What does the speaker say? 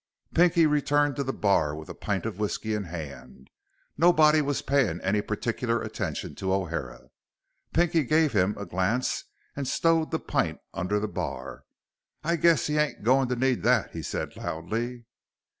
Pinky returned to the bar with a pint of whisky in hand. Nobody was paying any particular attention to O'Hara. Pinky gave him a glance and stowed the pint under the bar. "I guess he ain't going to need that," he said loudly.